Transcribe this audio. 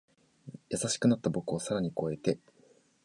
優しくなった僕を更に越えて